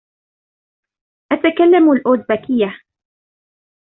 أتكلم الأوزبكية.